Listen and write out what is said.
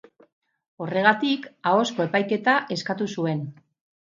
Horregatik, ahozko epaiketa eskatu zuen.